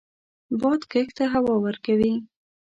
باد کښت ته هوا ورکوي